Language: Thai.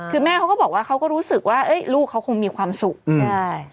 คือแม่เขาก็บอกว่าเขาก็รู้สึกว่าลูกเขาคงมีความสุขใช่